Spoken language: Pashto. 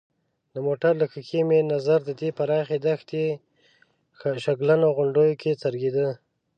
د موټر له ښېښې مې نظر د دې پراخې دښتې شګلنو غونډیو کې څرېده.